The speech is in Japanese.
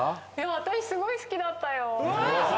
私すごい好きだったよ。